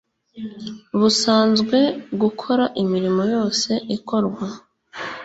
Busanzwe gukora imirimo yose ikorwa